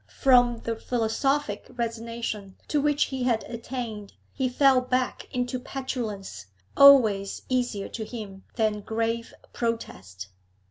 From the philosophic resignation to which he had attained, he fell back into petulance, always easier to him than grave protest.